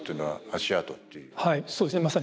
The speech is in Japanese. はいそうですね。